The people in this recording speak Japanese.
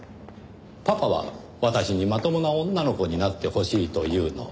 「パパは私にまともな女の子になってほしいと言うの」。